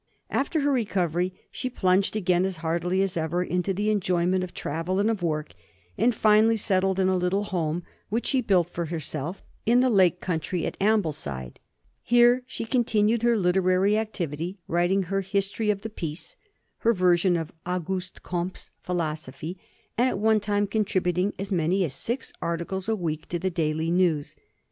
After her recovery she plunged again as heartily as ever into the enjoyment of travel and of work, and finally settled in a little home, which she built for herself, in the Lake country at Ambleside. Here she continued her literary activity, writing her History of the Peace, her version of Auguste Comte's philosophy, and at one time contributing as many as six articles a week to the Daily News.